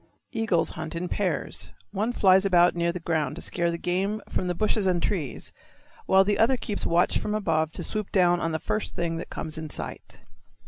Eagles hunt in pairs. One flies about near the ground to scare the game from the bushes and trees, while the other keeps watch from above to swoop down on the first thing that comes in sight.